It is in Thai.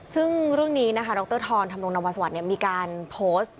ซึ่งเรื่องนี้นะคะดรธรธรรมรงนวสวัสดิ์มีการโพสต์